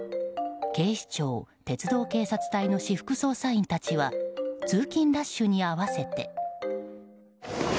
警視庁鉄道警察隊の私服捜査員たちは通勤ラッシュに合わせて。